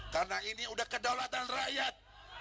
karena ini sudah kedaulatan rakyat